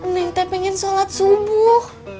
neng teh pengen sholat subuh